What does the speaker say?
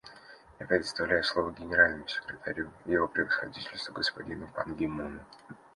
Я предоставляю слово Генеральному секретарю Его Превосходительству господину Пан Ги Муну.